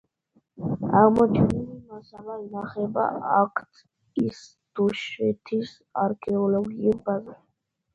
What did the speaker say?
აღმოჩენილი მასალა ინახება აკც-ის დუშეთის არქეოლოგიურ ბაზაში.